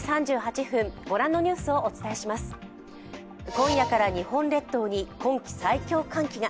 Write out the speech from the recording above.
今夜から日本列島に今季最強寒気が。